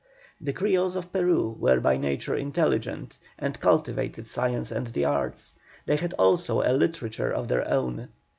The Creoles of Peru were by nature intelligent, and cultivated science and the arts. They had also a literature of their own.